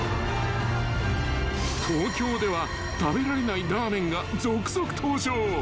［東京では食べられないラーメンが続々登場］